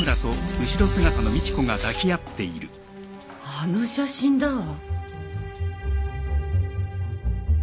あの写真だわ。